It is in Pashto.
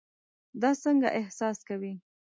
دا څنګه احساس کوي؟